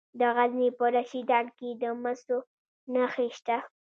د غزني په رشیدان کې د مسو نښې شته.